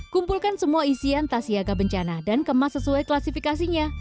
kumpulkan semua isian tas siaga bencana dan kemas sesuai klasifikasinya